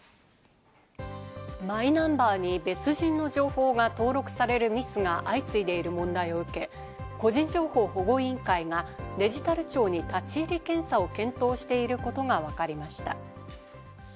マイナンバーに別人の情報が登録されるミスが相次いでいる問題を受け、個人情報保護委員会がデジタル庁に立ち入り検査を検討していることがわかりました。